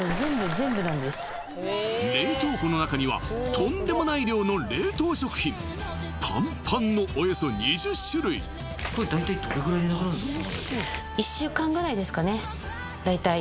全部冷凍庫の中にはとんでもない量の冷凍食品パンパンのおよそ２０種類これ大体どれぐらいでなくなるんですか？